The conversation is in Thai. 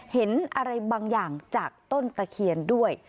เห็นอะไรบางอย่างจากต้นตะเคียนด้วย